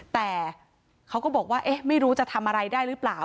แต่เขาก็บอกว่าเอ๊ะไม่รู้จะทำอะไรได้หรือเปล่า